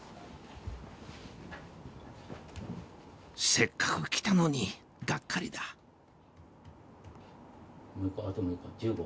せっかく来たのにがっかりだあと６日１５。